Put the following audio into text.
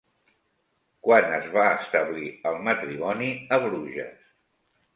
Quan es va establir el matrimoni a Bruges?